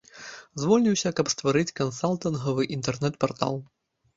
Звольніўся, каб стварыць кансалтынгавы інтэрнэт-партал.